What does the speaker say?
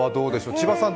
千葉さん